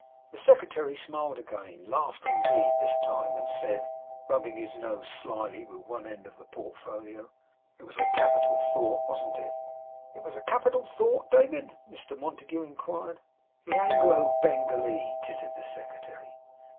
The secretary smiled again; laughed, indeed, this time; and said, rubbing his nose slily with one end of the portfolio: 'It was a capital thought, wasn't it?' 'What was a capital thought, David?' Mr Montague inquired. 'The Anglo Bengalee,' tittered the secretary.